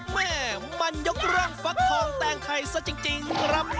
แม่มันยกเรื่องฟักทองแตงไทยซะจริงครับ